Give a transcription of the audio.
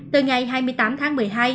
từ ngày hai mươi tám tháng một mươi hai